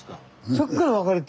そっから分かれて。